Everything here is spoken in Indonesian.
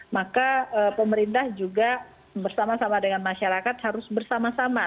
maka pemerintah juga bersama sama dengan masyarakat harus bersama sama